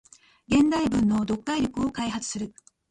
現代文の読解力を開発する